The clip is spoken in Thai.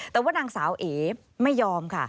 แต่ว่านางสาวเอ๋ไม่ยอมค่ะ